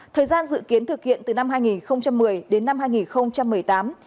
thời gian dự kiến thực hiện từ năm hai nghìn một mươi đến năm hai nghìn một mươi tám